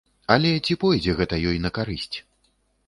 Але ці пойдзе гэта ёй на карысць?